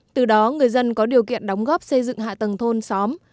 từ đó người dân có điều kiện đóng góp xây dựng hạ tầng thôn xóm